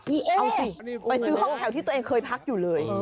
อีเอ๊ะเอาสิไปซื้อห้องแถวที่เคยพักอยู่เลย